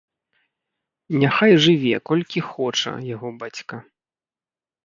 Няхай жыве, колькі хоча, яго бацька.